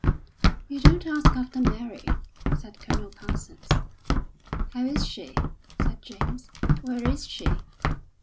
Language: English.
"You don't ask after Mary," said Colonel Parsons. "How is she?" said James. "Where is she?"